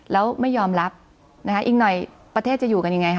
แล้วไม่ยอมรับนะคะอีกหน่อยประเทศจะอยู่กันยังไงคะ